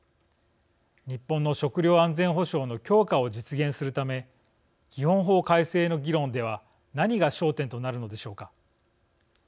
日本の食料安全保障の強化を実現するため基本法改正の議論では何が焦点となるのでしょうか。